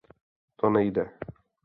To nejde.